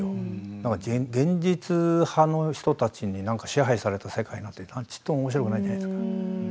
なんか、現実派の人たちに支配された世界なんてちっともおもしろくないじゃないですか。